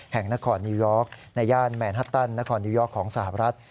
แห่งนครนิวยอร์กในย่านแมนฮัตตันนครนิวยอร์กของสหรัฐ